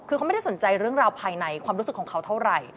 คือเขาไม่ได้สนใจเรื่องราวภายในความรู้สึกของเขาเท่าไหร่